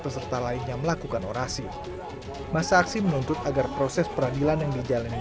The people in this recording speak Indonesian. peserta lainnya melakukan orasi masa aksi menuntut agar proses peradilan yang dijalani